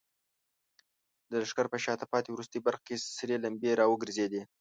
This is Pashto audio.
د لښکر په شاته پاتې وروستۍ برخه کې سرې لمبې راوګرځېدې.